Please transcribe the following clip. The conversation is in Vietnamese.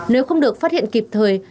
nếu không được phát hiện kịp thời